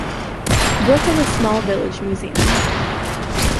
Brook has a small village museum.